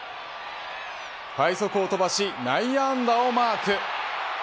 快足を飛ばし内野安打をマーク。